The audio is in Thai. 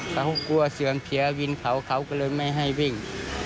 เขากลัวเสียงเสียวินเขาเขาก็เลยไม่ให้วิ่ง